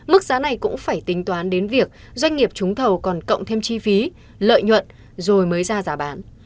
mức giá này cũng phải tính toán đến việc doanh nghiệp trúng thầu còn cộng thêm chi phí lợi nhuận rồi mới ra giá bán